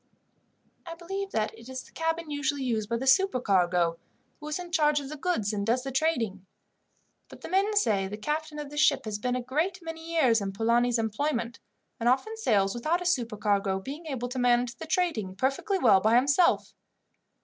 "I believe that it is the cabin usually used by the supercargo, who is in charge of the goods and does the trading, but the men say the captain of this ship has been a great many years in Polani's employment, and often sails without a supercargo, being able to manage the trading perfectly well by himself.